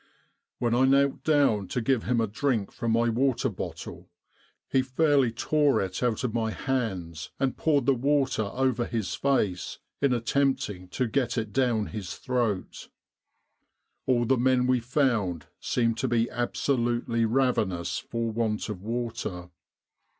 When I knelt down to give him a drink from my water bottle, he fairly tore it out of my hands and poured the water over his face in attempting to get it down his throat. All the men we found seemed to be absolutely ravenous for want of water.